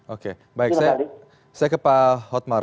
oke baik saya ke pak hotmar